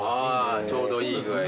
ああちょうどいい具合に。